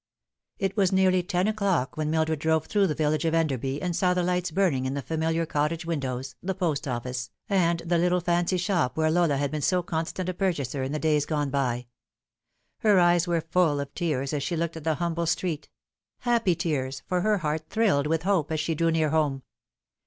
IT, was nearly nearly ten o'clock when Mildred drove through the village of Enderby, and saw the lights burning in the fami liar cottage windows, the post office, and the little fancy shop where Lola had been so constant a purchaser in the days gone by. Her eyes were full of tears as she looked at the humble street : happy tears, for her heart thrilled with hope as she drew near home.